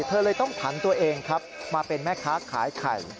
เธอเลยต้องผันตัวเองครับมาเป็นแม่ค้าขายไข่